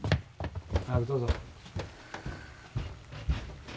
早くどうぞ。